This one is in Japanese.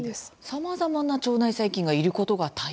さまざま腸内細菌がいることが大切